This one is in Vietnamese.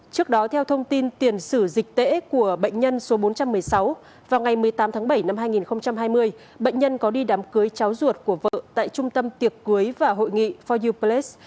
trước đó theo thông tin tiền sử dịch tễ của bệnh nhân số bốn trăm một mươi sáu vào ngày một mươi tám tháng bảy năm hai nghìn hai mươi bệnh nhân có đi đám cưới cháu ruột của vợ tại trung tâm tiệc cưới và hội nghị foruplex